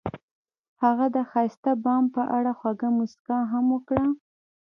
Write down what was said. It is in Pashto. هغې د ښایسته بام په اړه خوږه موسکا هم وکړه.